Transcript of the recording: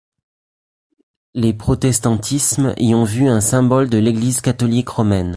Les protestantismes y ont vu un symbole de l'Église catholique romaine.